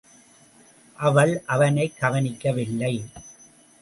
அவள், அவனைக் கவனிக்கவில்லை.